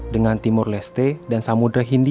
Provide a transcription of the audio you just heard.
dengan timur leste dan samudera hindia